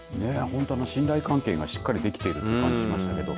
信頼関係がしっかりできていると感じましたけれど。